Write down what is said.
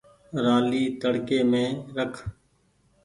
رآلي تڙڪي مين رک۔